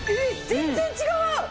全然違う！